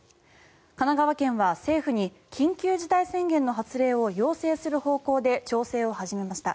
神奈川県は政府に緊急事態宣言の発令を要請する方向で調整を始めました。